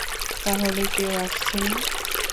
তাহলে, কেউ আসছে না?